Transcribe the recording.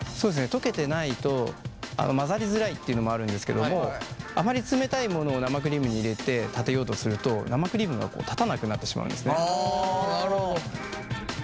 溶けてないと混ざりづらいっていうのもあるんですけどもあまり冷たいものを生クリームに入れて立てようとすると溶かすのは混ぜる目安は？